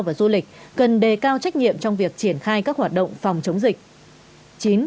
và du lịch cần đề cao trách nhiệm trong việc triển khai các hoạt động phòng chống dịch